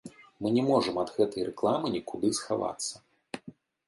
Мы не можам ад гэтай рэкламы нікуды схавацца.